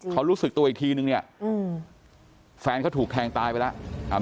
เขารู้สึกตัวอีกทีนึงเนี่ยแฟนเขาถูกแทงตายไปแล้ว